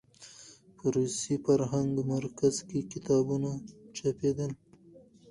په روسي فرهنګي مرکز کې کتابونه چاپېدل.